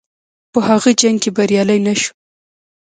په هغه جنګ کې بریالی نه شو.